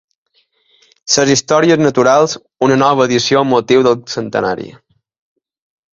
Les històries naturals, una nova edició amb motiu del centenari.